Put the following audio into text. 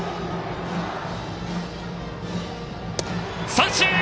三振！